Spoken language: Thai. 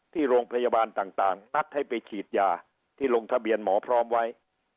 ที่โรงพยาบาลต่างนัดให้ไปฉีดยาที่ลงทะเบียนหมอพร้อมไว้